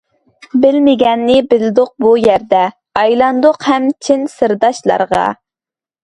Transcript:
بىلمىگەننى بىلدۇق بۇ يەردە، ئايلاندۇق ھەم چىن سىرداشلارغا.